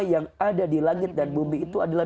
yang ada di langit dan bumi itu adalah